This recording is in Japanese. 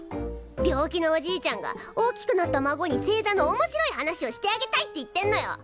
病気のおじいちゃんが大きくなった孫に星座のおもしろい話をしてあげたいって言ってんのよ！